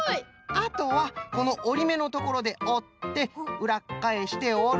あとはこのおりめのところでおってうらっかえしておる。